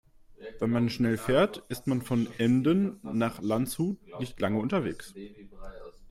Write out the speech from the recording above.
Wenn man schnell fährt, ist man von Emden nach Landshut nicht lange unterwegs